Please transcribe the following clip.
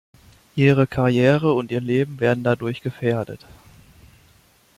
Ihre Karriere und ihr Leben werden dadurch gefährdet.